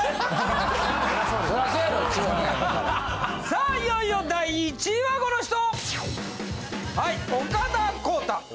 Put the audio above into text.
さあいよいよ第１位はこの人！